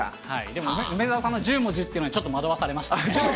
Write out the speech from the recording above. でも梅澤さんの１０文字っていうのはちょっと惑わされましたね。